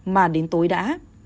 mà đến tối đã